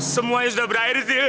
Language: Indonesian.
semuanya sudah berakhir sil